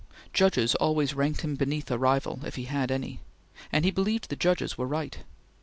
Judges always ranked him beneath a rival, if he had any; and he believed the judges were right.